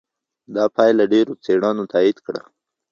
دا پایله ډېرو څېړنو تایید کړه.